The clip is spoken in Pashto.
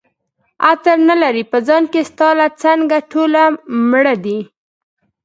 عطر نه لري په ځان کي ستا له څنګه ټوله مړه دي